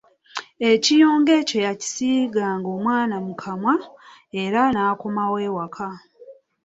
Ekiyonga ekyo yakisiiganga omwana mu kamwa era n’akomawo ewaka.